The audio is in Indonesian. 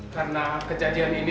karena kejadian ini